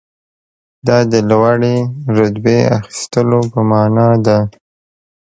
دا د لوړې رتبې اخیستلو په معنی ده.